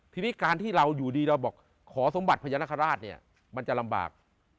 ทีนี้การที่เราอยู่ดีเราบอกขอสมบัติพญานาคาราชเนี่ยมันจะลำบาก